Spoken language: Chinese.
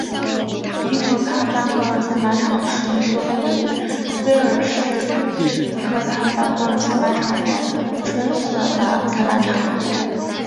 迪河畔班格尔赛马场是一座位于威尔士迪河畔班格尔赛马场的纯血马赛马场。